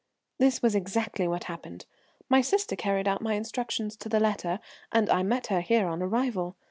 "This was exactly what happened. My sister carried out my instructions to the letter, and I met her here on arrival.